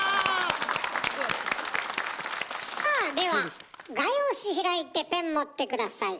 すごい。さあでは画用紙開いてペン持って下さい。